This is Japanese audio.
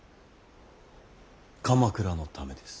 鎌倉のためです。